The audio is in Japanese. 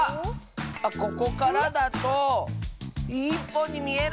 ⁉あっここからだと１ぽんにみえる！